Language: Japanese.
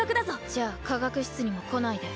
じゃあ科学室にも来ないで。